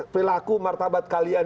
perlaku martabat kalian